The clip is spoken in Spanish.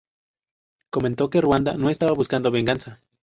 Comentó que Ruanda "no estaba buscando venganza".